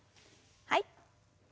はい。